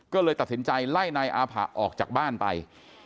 ก็เลยตัดสินใจไล่นายอาผะออกจากบ้านไป